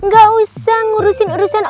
gak usah ngurusin urusin